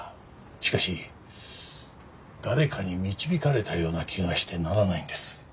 しかし誰かに導かれたような気がしてならないんです。